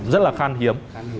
rất là khan hiếm